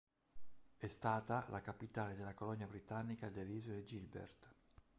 È stata la capitale della colonia britannica delle isole Gilbert.